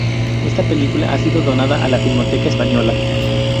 Esta película ha sido donada a la Filmoteca Española.